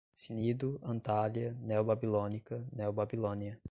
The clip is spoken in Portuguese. Cnido, Antália, neobabilônica, neobabilônia